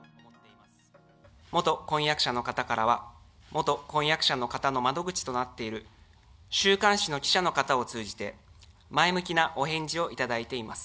元婚約者の方からは、元婚約者の方の窓口となっている週刊誌の記者の方を通じて、前向きなお返事を頂いています。